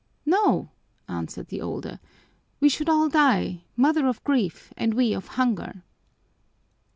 "No," answered the older, "we should all die: mother of grief and we of hunger."